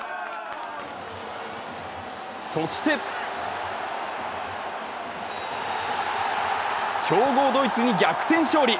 そして強豪ドイツに逆転勝利。